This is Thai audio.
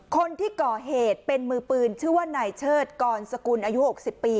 คนที่ก่อเหตุเป็นมือปืนชื่อว่านายเชิดกรสกุลอายุ๖๐ปี